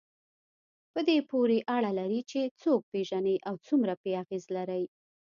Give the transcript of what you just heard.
په دې پورې اړه لري چې څوک پېژنئ او څومره پرې اغېز لرئ.